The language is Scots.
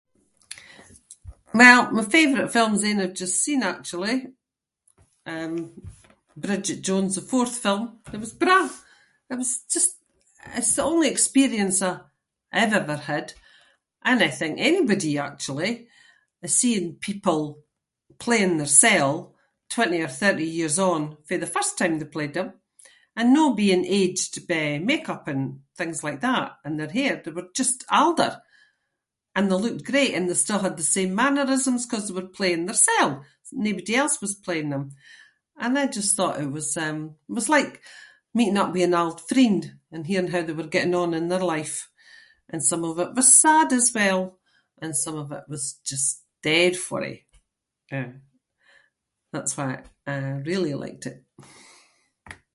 Well my favourite film’s ain I’ve just seen actually. Um, Bridget Jones- the fourth film. It was braw! It was just- it's the only experience I- I’ve ever had, anything anybody actually, seeing people playing theirsel twenty or thirty years on fae the first time they played them and no being aged by make-up and things like that and their hair- they were just older. And they looked great and they still had the same mannerisms ‘cause they were playing theirsels – naebody else was playing them. And I just thought it was, um, it was like meeting up with an old friend and hearing how they were getting on in their life. And some of it was sad as well and some of it was just dead funny. Uh, that’s why I really liked it.